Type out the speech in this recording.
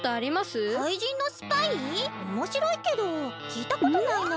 おもしろいけどきいたことないなあ。